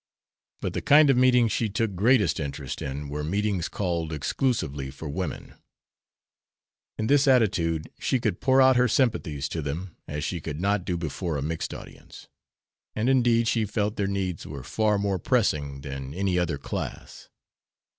But the kind of meetings she took greatest interest in were meetings called exclusively for women. In this attitude she could pour out her sympathies to them as she could not do before a mixed audience; and indeed she felt their needs were far more pressing than any other class.